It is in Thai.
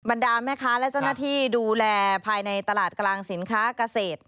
ดาแม่ค้าและเจ้าหน้าที่ดูแลภายในตลาดกลางสินค้าเกษตร